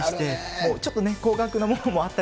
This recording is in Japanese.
もう、ちょっとね、高額なものもあったり。